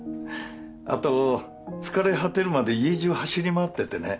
あと疲れ果てるまで家じゅう走り回っててね。